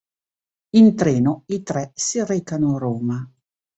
In treno i tre si recano a Roma.